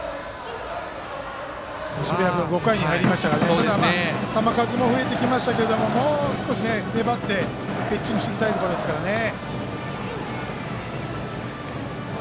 澁谷君５回に入りましたから球数も増えてきましたけどもう少し粘ってピッチングしていきたいところですからね。